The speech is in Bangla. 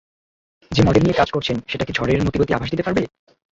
যে মডেল নিয়ে কাজ করছেন সেটা কি ঝড়ের মতিগতির আভাস দিতে পারবে?